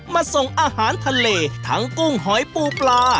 ส่งอาหารทะเลทั้งกุ้งหอยปูปลา